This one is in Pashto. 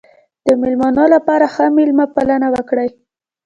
د مېلمنو لپاره ښه مېلمه پالنه وکړئ.